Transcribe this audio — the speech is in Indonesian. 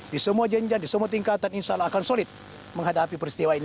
di semua jenjah di semua tingkat dan insya allah akan solid menghadapi peristiwa ini